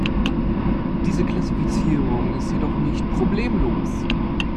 Diese Klassifizierung ist jedoch nicht problemlos.